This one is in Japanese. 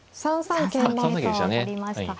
３三桂と上がりました。